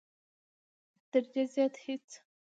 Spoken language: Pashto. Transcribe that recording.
تر دې زیات هېڅ.